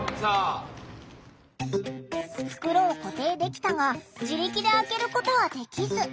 袋を固定できたが自力で開けることはできず。